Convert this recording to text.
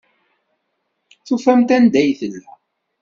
Tufam-d anda ay tella.